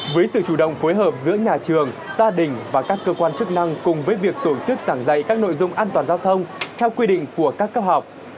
với sự chủ động phối hợp giữa nhà trường gia đình và các cơ quan chức năng cùng với việc tổ chức giảng dạy các nội dung an toàn giao thông theo quy định của các cấp học